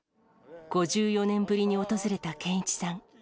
５４年ぶりに訪れた健一さん。